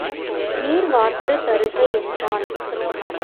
நீர் வார்த்துத் தருக என்றான்.